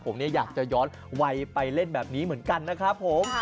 ผมเนี่ยอยากจะย้อนวัยไปเล่นแบบนี้เหมือนกันนะครับผม